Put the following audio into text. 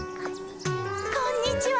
こんにちは。